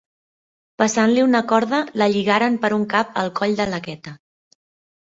Passant-li una corda, la lligaren per un cap al coll de l’haqueta.